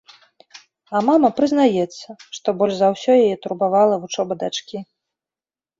А мама прызнаецца, што больш за ўсё яе турбавала вучоба дачкі.